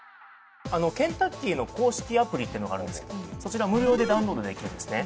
ケンタッキーの公式アプリっていうのがあるんですけどそちら無料でダウンロードできるんですね。